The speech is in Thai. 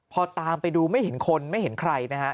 พอตามไปดูไม่เห็นคนไม่เห็นใครนะฮะ